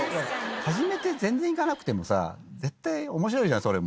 始めて全然いかなくてもさ絶対面白いじゃんそれも。